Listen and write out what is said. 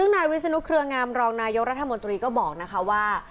นายวิศนุครี่องามรองนายตรัศน์มนตรีบอกว่า